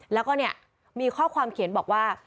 แล้วก็เนี่ยมีข้อความเขียนบอกว่า